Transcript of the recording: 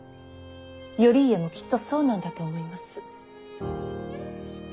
頼家もきっとそうなんだと思います。